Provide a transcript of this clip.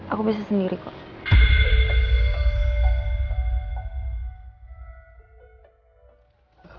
aku bisa sendiri kok